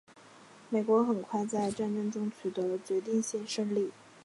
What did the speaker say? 美国很快在战争中取得了决定性胜利。